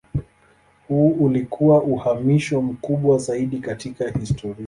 Huu ulikuwa uhamisho mkubwa zaidi katika historia.